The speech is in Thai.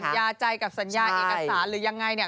ยาใจกับสัญญาเอกสารหรือยังไงเนี่ย